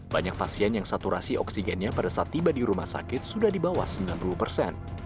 banyak pasien yang saturasi oksigennya pada saat tiba di rumah sakit sudah di bawah sembilan puluh persen